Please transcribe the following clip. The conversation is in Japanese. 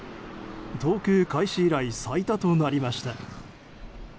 統計開始以来最多となりました。